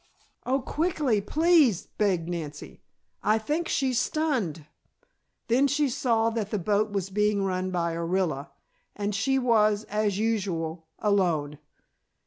"Oh, quickly, please!" begged Nancy. "I think she's stunned." Then she saw that the boat was being run by Orilla! And she was, as usual, alone.